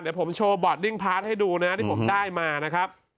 เดี๋ยวผมโชว์บอร์ดดิ้งพาร์ทให้ดูนะที่ผมได้มานะครับ